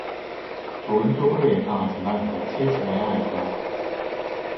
좋은 쪽으로 예상하지만 며칠 지나야 알 거야.